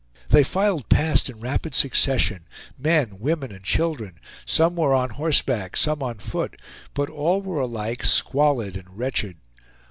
They filed past in rapid succession, men, women, and children; some were on horseback, some on foot, but all were alike squalid and wretched.